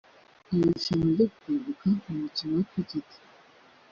Irushanwa ryo kwibuka mu mukino wa Cricket